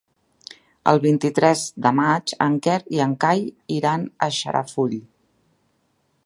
El vint-i-tres de maig en Quer i en Cai iran a Xarafull.